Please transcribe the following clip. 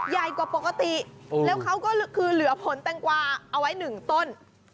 ใหญ่กว่าปกติแล้วเขาก็คือเหลือผลแตงกวาเอาไว้๑ต้น